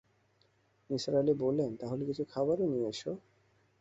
নিসার আলি বললেন, তাহলে কিছু খাবারও নিয়ে এস।